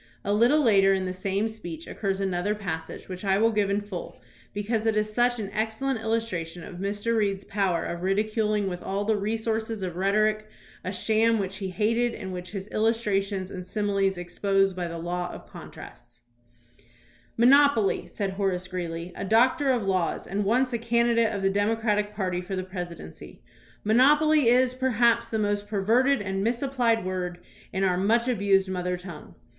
A little later in the same speech occurs another pas sage which I will give in full because it is such an ex cellent illustration of Mr. Reed's power of ridiculing with all the resources of rhetoric a sham which he hated and which his illustrations and similes exposed by the law of contrasts: "Monopoly," said Horace Greeley, a doctor of laws, and once a candidate of the Democratic party for the presidency, " mon opoly is, perhaps, the most perverted and misapplied word in our much abused mother tongue."